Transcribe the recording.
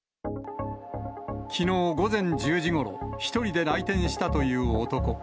きのう午前１０時ごろ、１人で来店したという男。